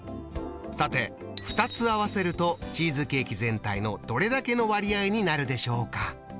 さて２つ合わせるとチーズケーキ全体のどれだけの割合になるでしょうか？